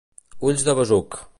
Ulls de besuc.